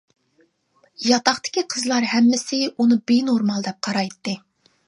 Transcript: ياتاقتىكى قىزلار ھەممىسى ئۇنى بىنورمال دەپ قارايتتى.